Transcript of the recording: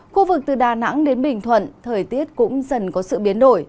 khu vực từ đà nẵng đến bình thuận thời tiết cũng dần có sự biến đổi